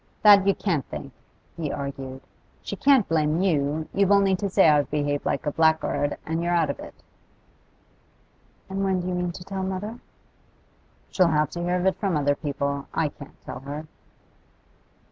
'That you can't think,' he argued. 'She can't blame you; you've only to say I've behaved like a blackguard, and you're out of it.' 'And when do you mean to tell mother?' 'She'll have to hear of it from other people. I can't tell her.